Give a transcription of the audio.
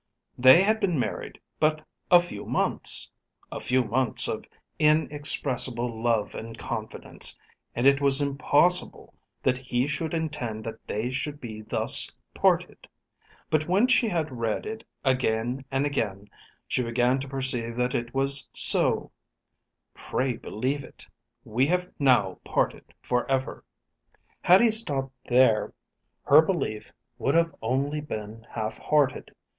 They had been married but a few months, a few months of inexpressible love and confidence; and it was impossible that he should intend that they should be thus parted. But when she had read it again and again, she began to perceive that it was so; "Pray believe it. We have now parted for ever." Had he stopped there her belief would have only been half hearted.